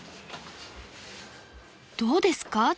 どうですか？